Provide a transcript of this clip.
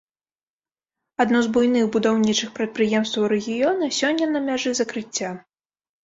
Адно з буйных будаўнічых прадпрыемстваў рэгіёна сёння на мяжы закрыцця.